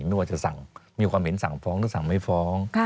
ไม่ว่าจะมีความเห็นสั่งฟ้องหรือสั่งไม่ฟ้อง